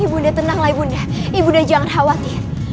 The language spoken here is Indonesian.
ibu bunda tenanglah ibu bunda ibu bunda jangan khawatir